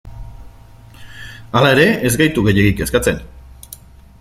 Hala ere, ez gaitu gehiegi kezkatzen.